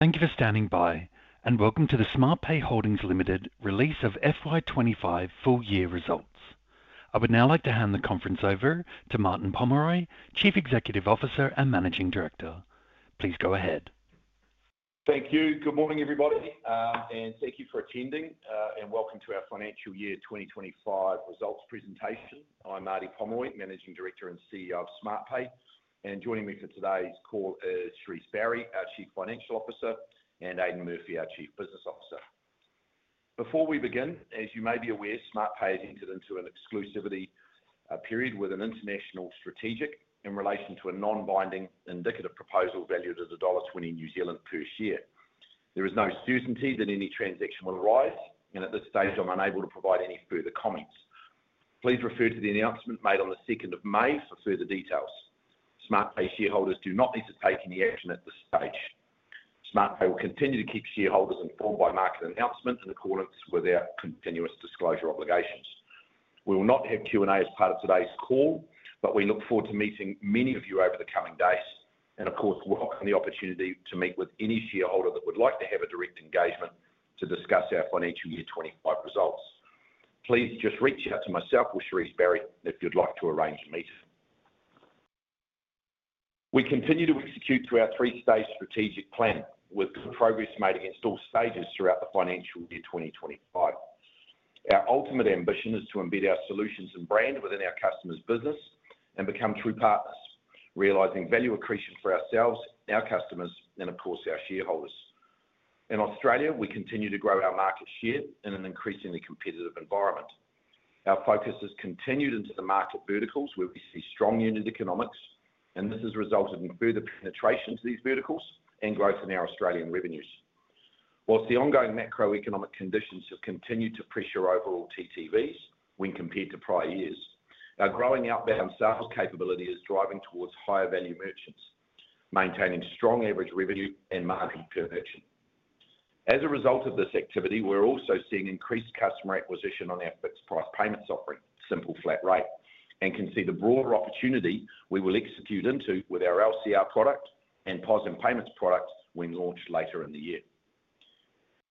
Thank you for standing by, and welcome to the Smartpay Holdings Limited release of FY25 full-year results. I would now like to hand the conference over to Martyn Pomeroy, Chief Executive Officer and Managing Director. Please go ahead. Thank you. Good morning, everybody, and thank you for attending, and welcome to our financial year 2025 results presentation. I'm Martyn Pomeroy, Managing Director and CEO of Smartpay, and joining me for today's call is Shereese Barrie, our Chief Financial Officer, and Aidan Murphy, our Chief Business Officer. Before we begin, as you may be aware, Smartpay has entered into an exclusivity period with an international strategic in relation to a non-binding indicative proposal valued at 1.20 New Zealand dollars per share. There is no certainty that any transaction will arise, and at this stage, I'm unable to provide any further comments. Please refer to the announcement made on the 2nd of May for further details. Smartpay shareholders do not need to take any action at this stage. Smartpay will continue to keep shareholders informed by market announcements and in accordance with our continuous disclosure obligations. We will not have Q&A as part of today's call, but we look forward to meeting many of you over the coming days, and of course, welcome the opportunity to meet with any shareholder that would like to have a direct engagement to discuss our financial year 2025 results. Please just reach out to myself or Shereese Barrie if you'd like to arrange a meeting. We continue to execute through our three-stage strategic plan, with progress made against all stages throughout the financial year 2025. Our ultimate ambition is to embed our solutions and brand within our customers' business and become true partners, realizing value accretion for ourselves, our customers, and of course, our shareholders. In Australia, we continue to grow our market share in an increasingly competitive environment. Our focus has continued into the market verticals where we see strong unit economics, and this has resulted in further penetration to these verticals and growth in our Australian revenues. Whilst the ongoing macroeconomic conditions have continued to pressure overall TTVs when compared to prior years, our growing outbound sales capability is driving towards higher value merchants, maintaining strong average revenue and margin per merchant. As a result of this activity, we're also seeing increased customer acquisition on our fixed price payments offering, Simple Flat Rate, and can see the broader opportunity we will execute into with our LCR product and POS and payments product when launched later in the year.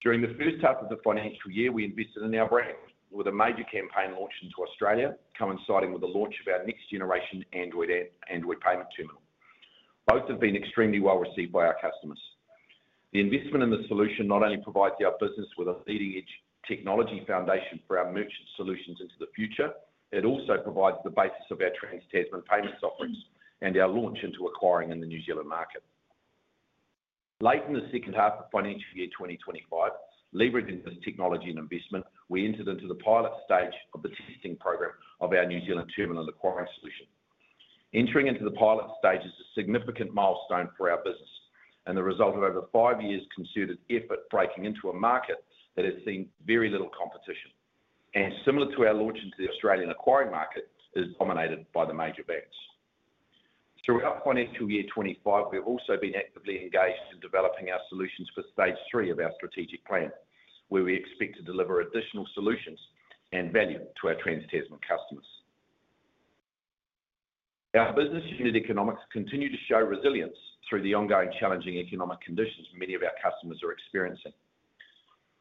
During the first half of the financial year, we invested in our brand with a major campaign launched into Australia, coinciding with the launch of our next-generation Android Payment Terminal. Both have been extremely well received by our customers. The investment in the solution not only provides our business with a leading-edge technology foundation for our merchant solutions into the future, it also provides the basis of our Trans-Tasman payments offerings and our launch into acquiring in the New Zealand market. Late in the second half of financial year 2025, levered into this technology and investment, we entered into the pilot stage of the testing program of our New Zealand terminal acquiring solution. Entering into the pilot stage is a significant milestone for our business and the result of over five years' concerted effort breaking into a market that has seen very little competition, and similar to our launch into the Australian acquiring market, is dominated by the major banks. Throughout financial year 2025, we've also been actively engaged in developing our solutions for stage three of our strategic plan, where we expect to deliver additional solutions and value to our Trans-Tasman customers. Our business unit economics continue to show resilience through the ongoing challenging economic conditions many of our customers are experiencing.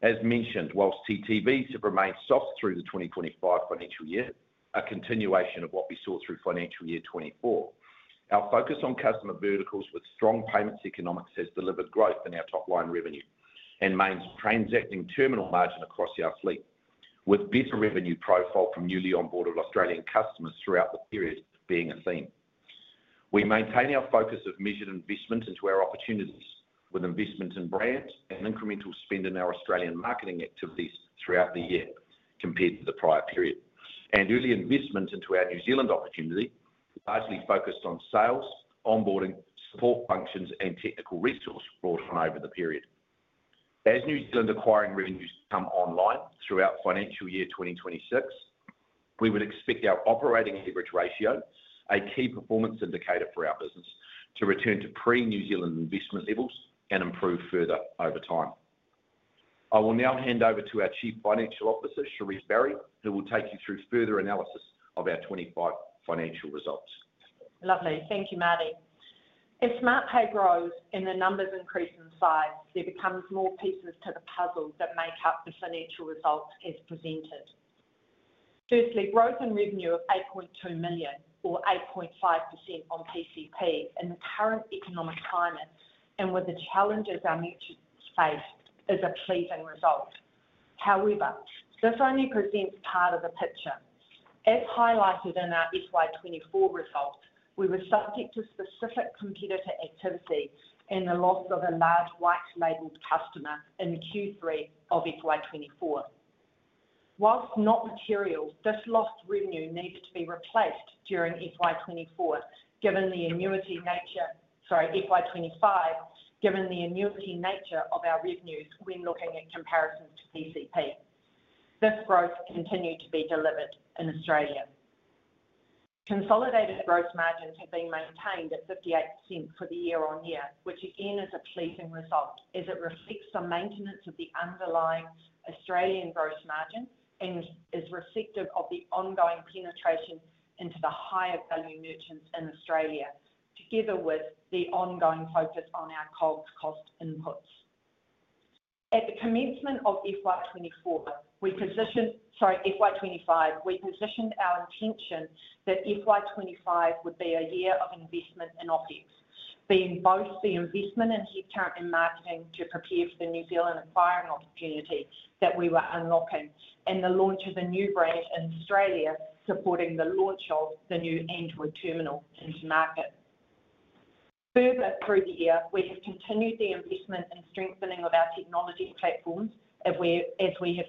As mentioned, whilst TTVs have remained soft through the 2025 financial year, a continuation of what we saw through financial year 2024, our focus on customer verticals with strong payments economics has delivered growth in our top-line revenue and mains transacting terminal margin across our fleet, with better revenue profile from newly onboarded Australian customers throughout the period being a theme. We maintain our focus of measured investment into our opportunities with investment in brand and incremental spend in our Australian marketing activities throughout the year compared to the prior period, and early investment into our New Zealand opportunity largely focused on sales, onboarding, support functions, and technical resource brought on over the period. As New Zealand acquiring revenues come online throughout financial year 2026, we would expect our operating average ratio, a key performance indicator for our business, to return to pre-New Zealand investment levels and improve further over time. I will now hand over to our Chief Financial Officer, Shereese Barrie, who will take you through further analysis of our 2025 financial results. Lovely. Thank you, Martyn. If Smartpay grows and the numbers increase in size, there becomes more pieces to the puzzle that make up the financial results as presented. Firstly, growth in revenue of 8.2 million, or 8.5% on PCP, in the current economic climate and with the challenges our merchants face is a pleasing result. However, this only presents part of the picture. As highlighted in our FY2024 result, we were subject to specific competitor activity and the loss of a large white-labeled customer in Q3 of FY2024. Whilst not material, this lost revenue needs to be replaced during FY2025, given the annuity nature—sorry, FY2025, given the annuity nature of our revenues when looking at comparisons to PCP. This growth continued to be delivered in Australia. Consolidated gross margins have been maintained at 58% for the year-on-year, which again is a pleasing result as it reflects the maintenance of the underlying Australian gross margin and is reflective of the ongoing penetration into the higher value merchants in Australia, together with the ongoing focus on our core cost inputs. At the commencement of FY 2024, we positioned—sorry, FY 2025, we positioned our intention that FY 2025 would be a year of investment in OpEx, being both the investment and headcount in marketing to prepare for the New Zealand acquiring opportunity that we were unlocking, and the launch of a new brand in Australia supporting the launch of the new Android Payment Terminal into market. Further, through the year, we have continued the investment and strengthening of our technology platforms as we have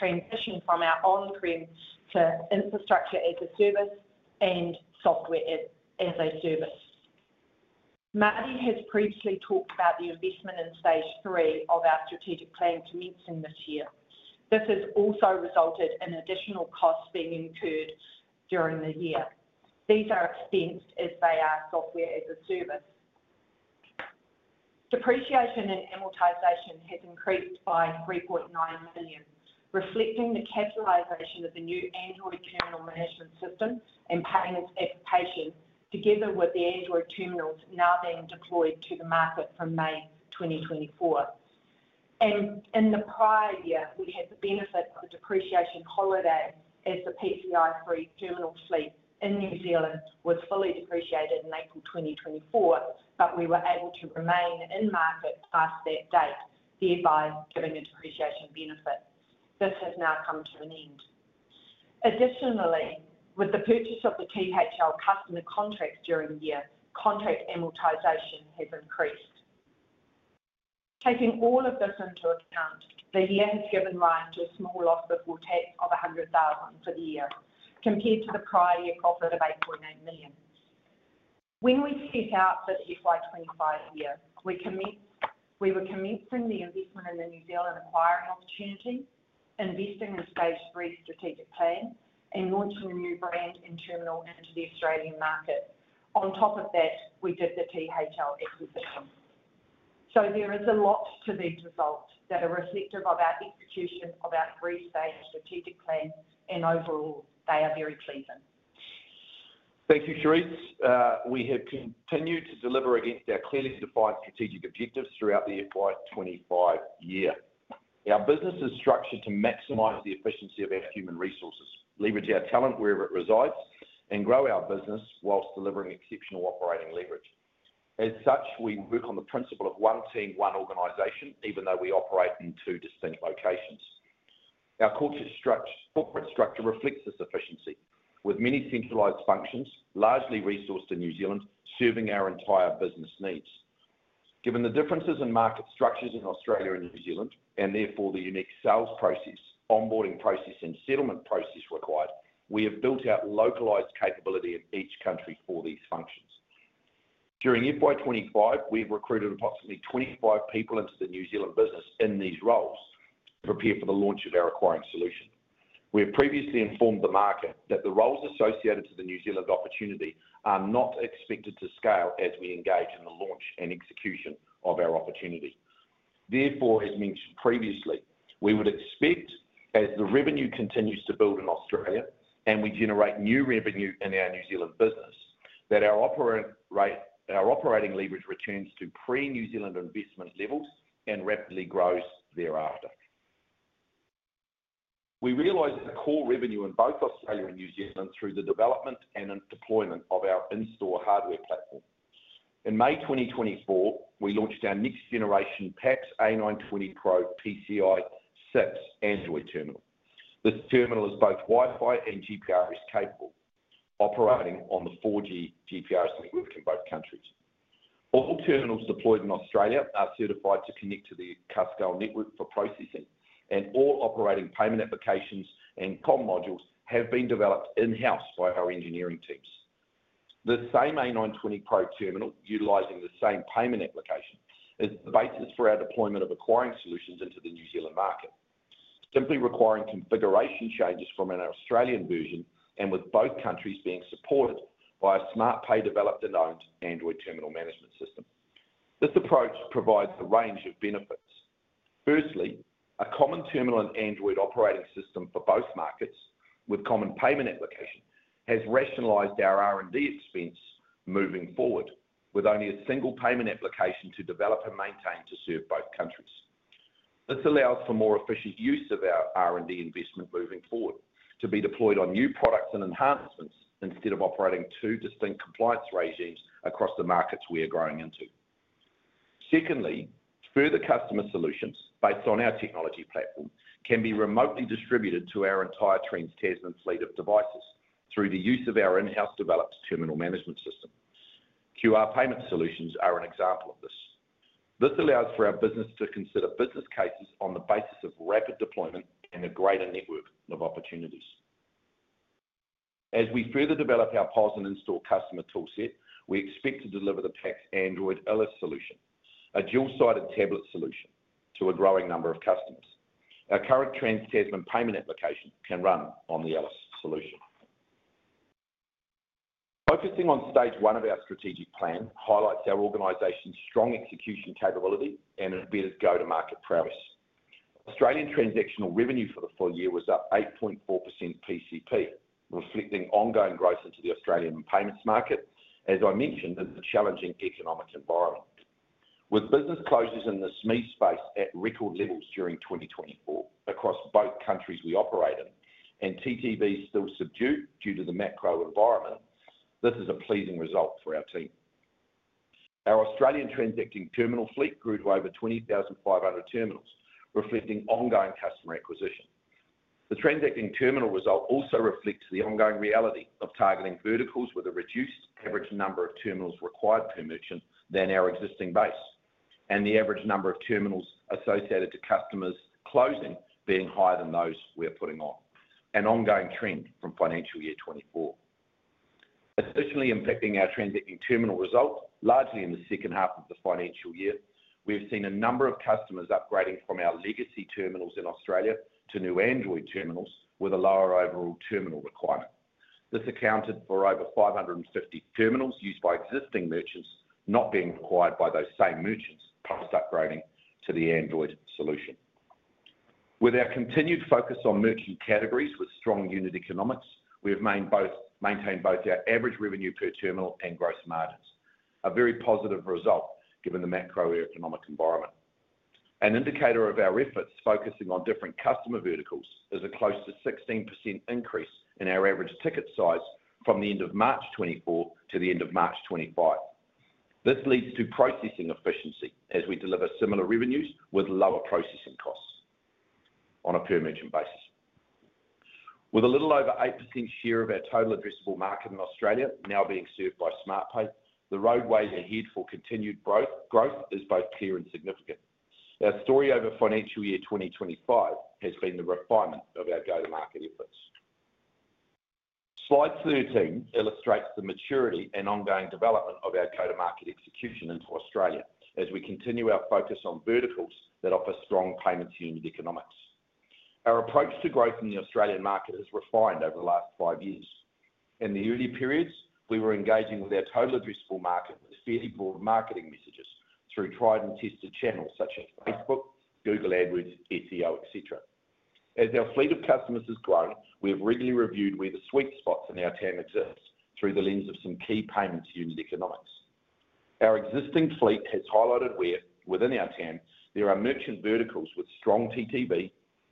transitioned from our on-prem to Infrastructure as a Service and Software as a Service. Martyn has previously talked about the investment in stage three of our strategic plan commencing this year. This has also resulted in additional costs being incurred during the year. These are expensed as they are software as a service. Depreciation and amortization has increased by 3.9 million, reflecting the capitalization of the new Android terminal management system and payments application, together with the Android terminals now being deployed to the market from May 2024. In the prior year, we had the benefit of the depreciation holiday as the PCI-free terminal fleet in New Zealand was fully depreciated in April 2024, but we were able to remain in market past that date, thereby giving a depreciation benefit. This has now come to an end. Additionally, with the purchase of the THL customer contracts during the year, contract amortization has increased. Taking all of this into account, the year has given rise to a small loss before tax of 100,000 for the year, compared to the prior year profit of 8.8 million. When we set out for the FY2025 year, we were commencing the investment in the New Zealand acquiring opportunity, investing in stage three strategic plan, and launching a new brand and terminal into the Australian market. On top of that, we did the THL acquisition. There is a lot to these results that are reflective of our execution of our three-stage strategic plan, and overall, they are very pleasing. Thank you, Shereese. We have continued to deliver against our clearly defined strategic objectives throughout the FY25 year. Our business is structured to maximize the efficiency of our human resources, leverage our talent wherever it resides, and grow our business whilst delivering exceptional operating leverage. As such, we work on the principle of one team, one organization, even though we operate in two distinct locations. Our corporate structure reflects this efficiency, with many centralized functions, largely resourced in New Zealand, serving our entire business needs. Given the differences in market structures in Australia and New Zealand, and therefore the unique sales process, onboarding process, and settlement process required, we have built out localized capability in each country for these functions. During FY25, we have recruited approximately 25 people into the New Zealand business in these roles to prepare for the launch of our acquiring solution. We have previously informed the market that the roles associated to the New Zealand opportunity are not expected to scale as we engage in the launch and execution of our opportunity. Therefore, as mentioned previously, we would expect, as the revenue continues to build in Australia and we generate new revenue in our New Zealand business, that our operating leverage returns to pre-New Zealand investment levels and rapidly grows thereafter. We realized the core revenue in both Australia and New Zealand through the development and deployment of our in-store hardware platform. In May 2024, we launched our next-generation PAX A920 Pro PCI SIPS Android terminal. This terminal is both Wi-Fi and GPRS capable, operating on the 4G GPRS network in both countries. All terminals deployed in Australia are certified to connect to the CASCO network for processing, and all operating payment applications and comm modules have been developed in-house by our engineering teams. The same A920 Pro terminal, utilizing the same payment application, is the basis for our deployment of acquiring solutions into the New Zealand market, simply requiring configuration changes from an Australian version and with both countries being supported by a Smartpay-developed and owned Android terminal management system. This approach provides a range of benefits. Firstly, a common terminal and Android operating system for both markets, with common payment application, has rationalized our R&D expense moving forward, with only a single payment application to develop and maintain to serve both countries. This allows for more efficient use of our R&D investment moving forward to be deployed on new products and enhancements instead of operating two distinct compliance regimes across the markets we are growing into. Secondly, further customer solutions based on our technology platform can be remotely distributed to our entire Trans-Tasman fleet of devices through the use of our in-house developed terminal management system. QR payment solutions are an example of this. This allows for our business to consider business cases on the basis of rapid deployment and a greater network of opportunities. As we further develop our POS and in-store customer toolset, we expect to deliver the PAX Android ELIS solution, a dual-sided tablet solution, to a growing number of customers. Our current Trans-Tasman payment application can run on the ELIS solution. Focusing on stage one of our strategic plan highlights our organization's strong execution capability and embedded go-to-market prowess. Australian transactional revenue for the full year was up 8.4% PCP, reflecting ongoing growth into the Australian payments market, as I mentioned, in the challenging economic environment. With business closures in the SME space at record levels during 2024 across both countries we operate in and TTVs still subdued due to the macro environment, this is a pleasing result for our team. Our Australian transacting terminal fleet grew to over 20,500 terminals, reflecting ongoing customer acquisition. The transacting terminal result also reflects the ongoing reality of targeting verticals with a reduced average number of terminals required per merchant than our existing base, and the average number of terminals associated to customers closing being higher than those we are putting on, an ongoing trend from financial year 2024. Additionally impacting our transacting terminal result, largely in the second half of the financial year, we have seen a number of customers upgrading from our legacy terminals in Australia to new Android terminals with a lower overall terminal requirement. This accounted for over 550 terminals used by existing merchants not being required by those same merchants post-upgrading to the Android solution. With our continued focus on merchant categories with strong unit economics, we have maintained both our average revenue per terminal and gross margins, a very positive result given the macroeconomic environment. An indicator of our efforts focusing on different customer verticals is a close to 16% increase in our average ticket size from the end of March 2024 to the end of March 2025. This leads to processing efficiency as we deliver similar revenues with lower processing costs on a per-merchant basis. With a little over 8% share of our total addressable market in Australia now being served by Smartpay, the roadways ahead for continued growth is both clear and significant. Our story over financial year 2025 has been the refinement of our go-to-market efforts. Slide 13 illustrates the maturity and ongoing development of our go-to-market execution into Australia as we continue our focus on verticals that offer strong payments unit economics. Our approach to growth in the Australian market has refined over the last five years. In the early periods, we were engaging with our total addressable market with fairly broad marketing messages through tried-and-tested channels such as Facebook, Google AdWords, SEO, etc. As our fleet of customers has grown, we have regularly reviewed where the sweet spots in our TAM exist through the lens of some key payments unit economics. Our existing fleet has highlighted where within our TAM there are merchant verticals with strong TTV,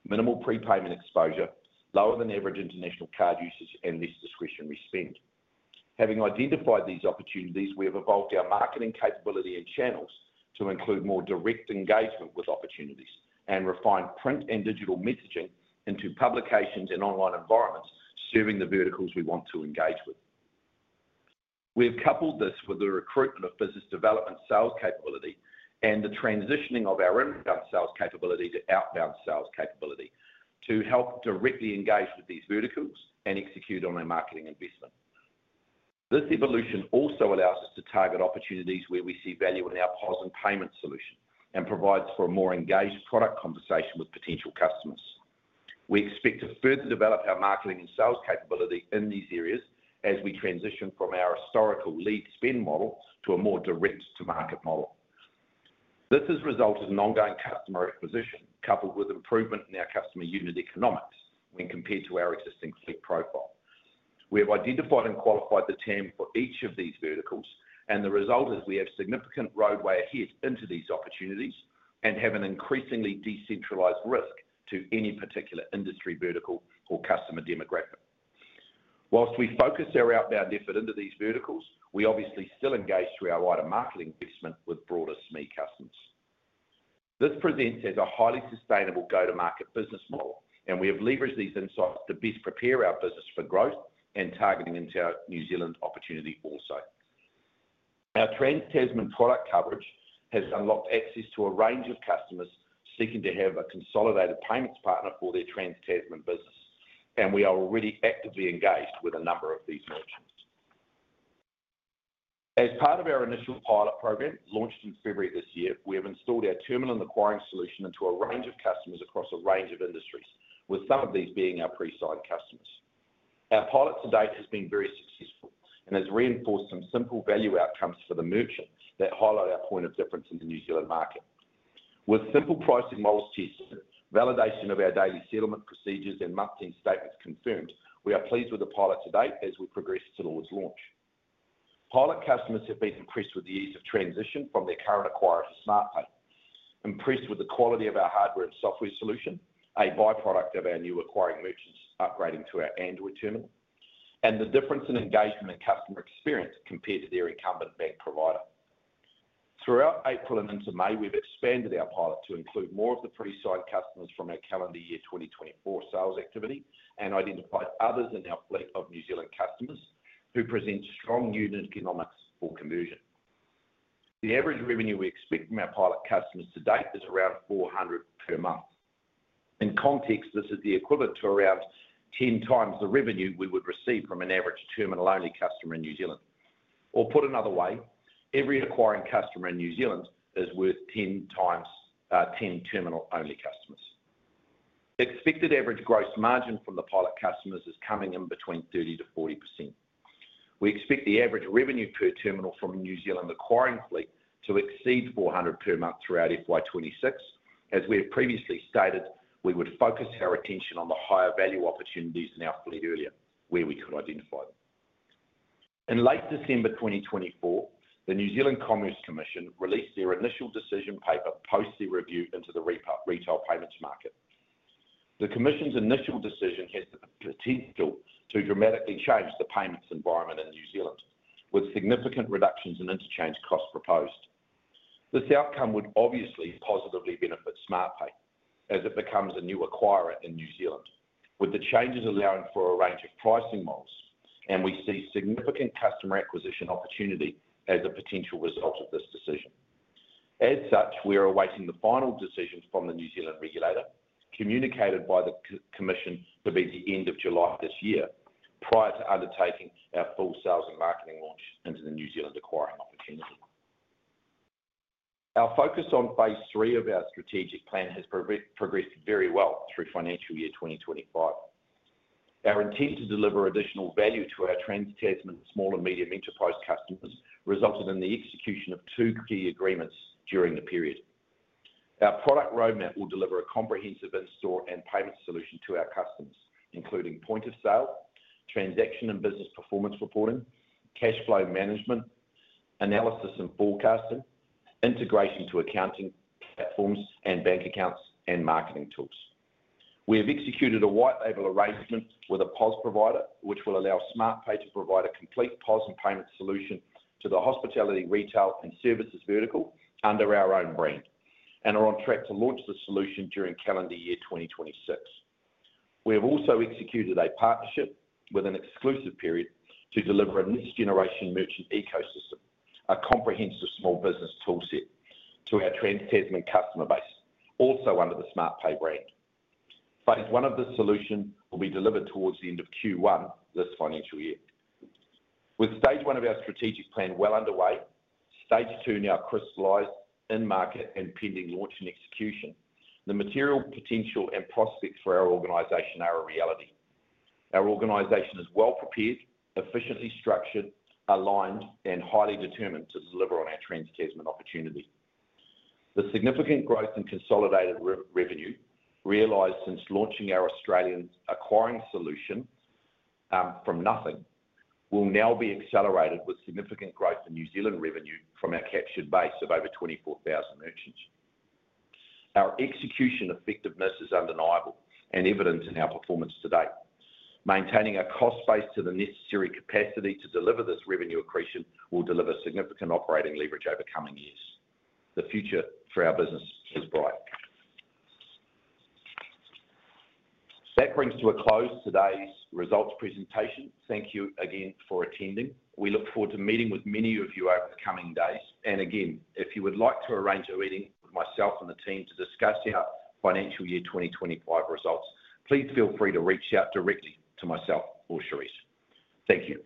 minimal prepayment exposure, lower than average international card usage, and less discretionary spend. Having identified these opportunities, we have evolved our marketing capability and channels to include more direct engagement with opportunities and refined print and digital messaging into publications and online environments serving the verticals we want to engage with. We have coupled this with the recruitment of business development sales capability and the transitioning of our inbound sales capability to outbound sales capability to help directly engage with these verticals and execute on our marketing investment. This evolution also allows us to target opportunities where we see value in our POS and payment solution and provides for a more engaged product conversation with potential customers. We expect to further develop our marketing and sales capability in these areas as we transition from our historical lead spend model to a more direct-to-market model. This has resulted in ongoing customer acquisition coupled with improvement in our customer unit economics when compared to our existing fleet profile. We have identified and qualified the TAM for each of these verticals, and the result is we have significant roadway ahead into these opportunities and have an increasingly decentralized risk to any particular industry vertical or customer demographic. Whilst we focus our outbound effort into these verticals, we obviously still engage through our wider marketing investment with broader SME customers. This presents as a highly sustainable go-to-market business model, and we have leveraged these insights to best prepare our business for growth and targeting into our New Zealand opportunity also. Our Trans-Tasman product coverage has unlocked access to a range of customers seeking to have a consolidated payments partner for their Trans-Tasman business, and we are already actively engaged with a number of these merchants. As part of our initial pilot program launched in February this year, we have installed our terminal and acquiring solution into a range of customers across a range of industries, with some of these being our pre-signed customers. Our pilot to date has been very successful and has reinforced some simple value outcomes for the merchant that highlight our point of difference in the New Zealand market. With simple pricing models tested, validation of our daily settlement procedures, and month-end statements confirmed, we are pleased with the pilot to date as we progress towards launch. Pilot customers have been impressed with the ease of transition from their current acquirer to Smartpay, impressed with the quality of our hardware and software solution, a byproduct of our new acquiring merchants upgrading to our Android terminal, and the difference in engagement and customer experience compared to their incumbent bank provider. Throughout April and into May, we have expanded our pilot to include more of the pre-signed customers from our calendar year 2024 sales activity and identified others in our fleet of New Zealand customers who present strong unit economics for conversion. The average revenue we expect from our pilot customers to date is around 400 per month. In context, this is the equivalent to around 10 times the revenue we would receive from an average terminal-only customer in New Zealand. Or put another way, every acquiring customer in New Zealand is worth 10 times 10 terminal-only customers. Expected average gross margin from the pilot customers is coming in between 30%-40%. We expect the average revenue per terminal from a New Zealand acquiring fleet to exceed 400 per month throughout FY26. As we have previously stated, we would focus our attention on the higher value opportunities in our fleet earlier, where we could identify them. In late December 2024, the New Zealand Commerce Commission released their initial decision paper post the review into the retail payments market. The Commission's initial decision has the potential to dramatically change the payments environment in New Zealand, with significant reductions in interchange costs proposed. This outcome would obviously positively benefit Smartpay as it becomes a new acquirer in New Zealand, with the changes allowing for a range of pricing models, and we see significant customer acquisition opportunity as a potential result of this decision. As such, we are awaiting the final decision from the New Zealand Commerce Commission, communicated by the Commission to be the end of July this year, prior to undertaking our full sales and marketing launch into the New Zealand acquiring opportunity. Our focus on phase three of our strategic plan has progressed very well through financial year 2025. Our intent to deliver additional value to our Trans-Tasman small and medium enterprise customers resulted in the execution of two key agreements during the period. Our product roadmap will deliver a comprehensive in-store and payment solution to our customers, including point of sale, transaction and business performance reporting, cash flow management, analysis and forecasting, integration to accounting platforms and bank accounts, and marketing tools. We have executed a white-label arrangement with a POS provider, which will allow Smartpay to provide a complete POS and payment solution to the hospitality, retail, and services vertical under our own brand, and are on track to launch the solution during calendar year 2026. We have also executed a partnership with an exclusive period to deliver a next-generation merchant ecosystem, a comprehensive small business toolset, to our Trans-Tasman customer base, also under the Smartpay brand. Phase one of this solution will be delivered towards the end of Q1 this financial year. With stage one of our strategic plan well underway, stage two now crystallised in market and pending launch and execution, the material potential and prospects for our organisation are a reality. Our organisation is well prepared, efficiently structured, aligned, and highly determined to deliver on our Trans-Tasman opportunity. The significant growth in consolidated revenue realised since launching our Australian acquiring solution from nothing will now be accelerated with significant growth in New Zealand revenue from our captured base of over 24,000 merchants. Our execution effectiveness is undeniable and evident in our performance to date. Maintaining a cost base to the necessary capacity to deliver this revenue accretion will deliver significant operating leverage over coming years. The future for our business is bright. That brings to a close today's results presentation. Thank you again for attending. We look forward to meeting with many of you over the coming days. If you would like to arrange a meeting with myself and the team to discuss our financial year 2025 results, please feel free to reach out directly to myself or Shereese. Thank you.